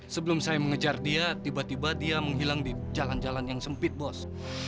sebelum saya mengejar dia tiba tiba dia menghilang di jalan jalan yang sempit bos